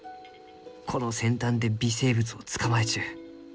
この先端で微生物を捕まえちゅう。